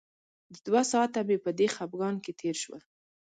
د دوه ساعته مې په دې خپګان کې تېر شول.